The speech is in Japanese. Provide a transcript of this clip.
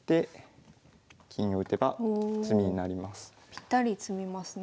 ぴったり詰みますね。